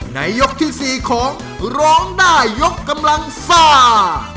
ในยกที่๔ของร้องได้ยกกำลังซ่า